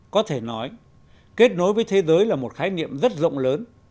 có thể nói kết nối với thế giới là một khái niệm rất rộng lớn